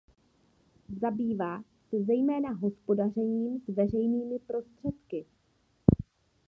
Zabývá se zejména hospodařením s veřejnými prostředky.